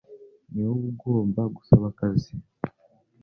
Ni wowe ugomba gusaba akazi